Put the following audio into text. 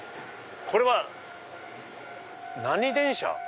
これは何電車？